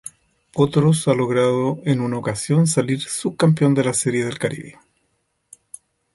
Potros ha logrado en una ocasión salir subcampeón de la Serie del Caribe.